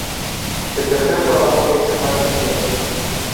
El tercer párrafo es el más incierto.